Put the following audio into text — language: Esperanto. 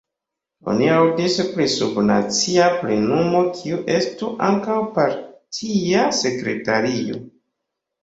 Oni aŭdis pri sub-nacia plenumo kiu estu ankaŭ partia sekretario.